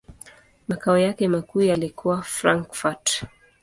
Makao yake makuu yalikuwa Frankfurt.